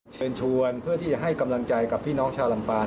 เชิญชวนเพื่อที่จะให้กำลังใจกับพี่น้องชาวลำปาง